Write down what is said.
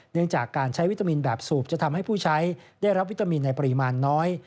เนื่องจากการใช้วิตามินแบบสูบจะทำให้ผู้ใช้ได้รับวิตามินในปริมาณน้อย